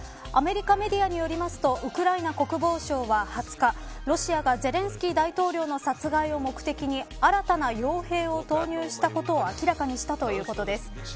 アメリカメディアによりますとウクライナ国防省は２０日ロシアがゼレンスキー大統領の殺害を目的に新たな傭兵を投入したことを明らかにしたということです。